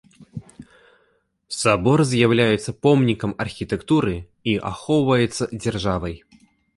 Сабор з'яўляецца помнікам архітэктуры і ахоўваецца дзяржавай.